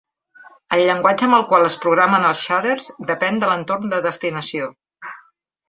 El llenguatge amb el qual es programen els shaders depèn de l'entorn de destinació.